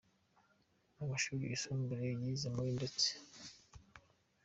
Mu mashuri yisumbuye yize muri ndetse.